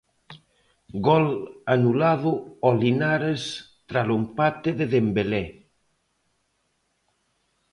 Gol anulado ao Linares tralo empate de Dembelé.